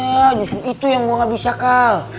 ya justru itu yang gue gak bisa kal